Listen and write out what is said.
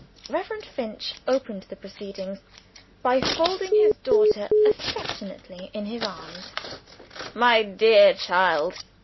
Reverend Finch opened the proceedings by folding his daughter affectionately in his arms. "My dear child!"